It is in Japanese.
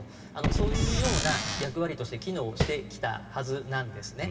そういう役割として機能してきたはずなんですね。